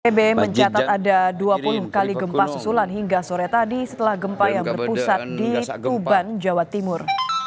tb mencatat ada dua puluh kali gempa susulan hingga sore tadi setelah gempa yang berpusat di tuban jawa timur